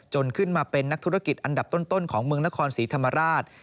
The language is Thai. ขึ้นมาเป็นนักธุรกิจอันดับต้นของเมืองนครศรีธรรมราช